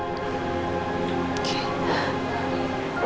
bersama suami saya boleh izin ngobrol sama belsa